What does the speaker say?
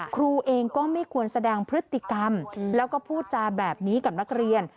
ครูเองก็ไม่ควรแสดงพฤติกรรมแล้วก็พูดจาแบบนี้กับนักเรียน